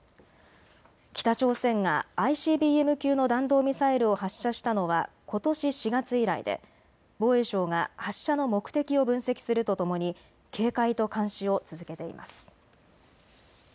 北朝鮮がＩＣＢＭ級の弾道ミサイルを発射したのはことし４月以来で防衛省が発射の目的を分析するとともに警戒と監視を続けています。